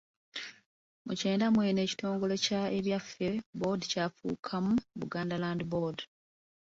Mu kyenda mu ena ekitongole kya Ebyaffe Board kyafuukamu Buganda Land Board.